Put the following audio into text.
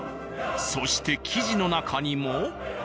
そして生地の中にも。